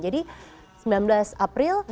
jadi sembilan belas april